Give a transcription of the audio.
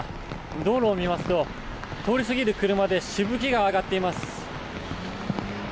道路を見ますと、通り過ぎる車でしぶきが上がっています。